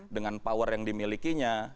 dengan power yang dimilikinya